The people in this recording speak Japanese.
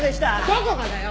どこがだよ！